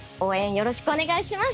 よろしくお願いします！